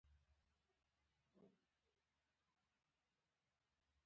زمري وویل چې زه په پنجره کې بند یم.